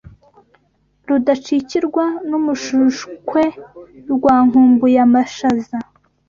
Rudacikirwa n'umushushwe rwa nkumbuyamashaza